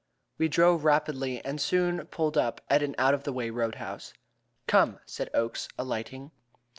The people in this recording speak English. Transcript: We drove rapidly, and soon pulled up at an out of the way roadhouse. "Come," said Oakes, alighting.